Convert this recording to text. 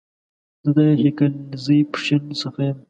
زه د هيکلزئ ، پښين سخه يم